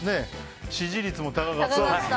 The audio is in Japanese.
支持率も高かったし。